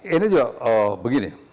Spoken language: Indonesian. ini juga begini